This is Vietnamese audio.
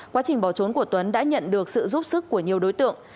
quá trình bỏ trốn của tuấn đã nhận được sự giúp sức của nhiều đối tượng